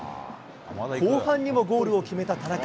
後半にもゴールを決めた田中。